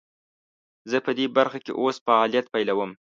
زه پدي برخه کې اوس فعالیت پیلوم.